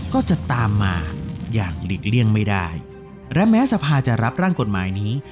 ก็จะตามมาอย่างหลีกเลี่ยงไม่ได้และแม้สภาจะรับร่างกฎหมายนี้